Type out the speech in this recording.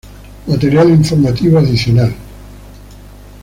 Material Informativo Adicional